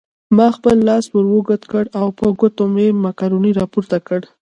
ما خپل لاس ور اوږد کړ او په ګوتو مې مکروني راپورته کړل.